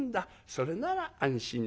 それなら安心だね」。